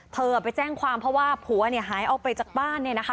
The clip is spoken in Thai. เธอไปแจ้งความเพราะว่าผัวเนี่ยหายออกไปจากบ้านเนี่ยนะคะ